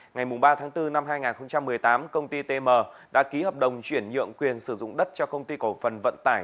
ngày ba tháng bốn năm hai nghìn một mươi tám công ty tm đã ký hợp đồng chuyển nhượng quyền sử dụng đất cho công ty cổ phần vận tải